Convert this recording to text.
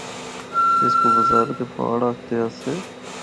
اس کو وزارت پہاڑ آکھدے آسے۔